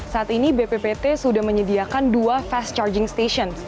saat ini bppt sudah menyediakan dua fast charging station